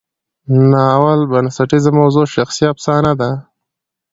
د ناول بنسټیزه موضوع شخصي افسانه ده.